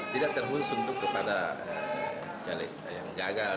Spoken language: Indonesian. tidak terhunsung untuk kepada caleg yang jagal